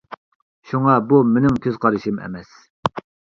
شۇڭا بۇ مېنىڭ كۆز قارىشىم ئەمەس.